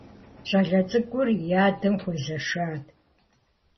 Щӏалэ цӏыкӏур и адэм хуезэшат.